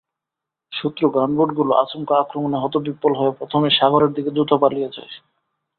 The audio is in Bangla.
শত্রু গানবোটগুলো আচমকা আক্রমণে হতবিহ্বল হয়ে প্রথমে সাগরের দিকে দ্রুত পালিয়ে যায়।